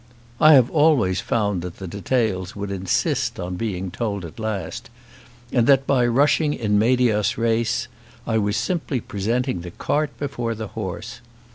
I have always found that the details would insist on being told at last, and that by rushing "in medias res" I was simply presenting the cart before the horse.